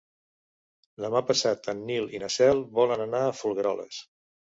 Demà passat en Nil i na Cel volen anar a Folgueroles.